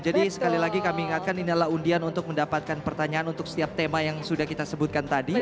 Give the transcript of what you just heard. jadi sekali lagi kami ingatkan ini adalah undian untuk mendapatkan pertanyaan untuk setiap tema yang sudah kita sebutkan tadi